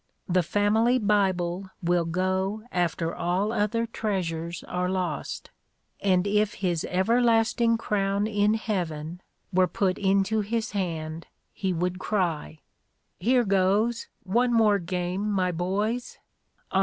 The family Bible will go after all other treasures are lost, and if his everlasting crown in heaven were put into his hand he would cry: "Here goes, one more game, my boys!